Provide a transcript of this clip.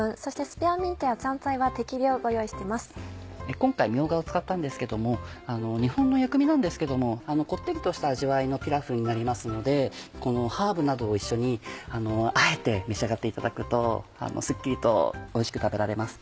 今回みょうがを使ったんですけど日本の薬味なんですけどもこってりとした味わいのピラフになりますのでハーブなどを一緒にあえて召し上がっていただくとすっきりとおいしく食べられます。